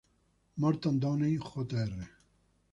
Morton Downey, Jr.